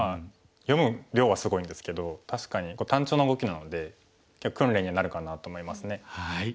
読む量はすごいんですけど確かに単調な動きなので訓練になるかなと思いますね。